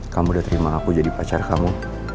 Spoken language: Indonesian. kamu udah terima aku jadi pacar kamu